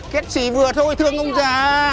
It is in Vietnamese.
kết xỉ vừa thôi thương ông già